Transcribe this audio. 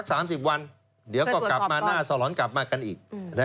สามสิบวันเดี๋ยวก็กลับมาหน้าสลอนกลับมากันอีก